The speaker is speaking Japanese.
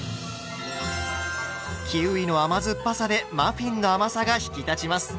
キウイの甘酸っぱさでマフィンの甘さが引き立ちます。